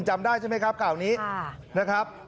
จำได้ใช่ไหมครับข่าวนี้นะครับ